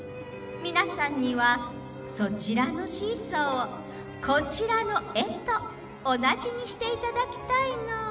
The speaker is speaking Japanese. みなさんにはそちらのシーソーをこちらのえとおなじにしていただきたいの。